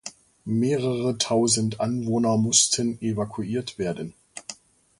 Mehrere Tausend Anwohner mussten evakuiert werden.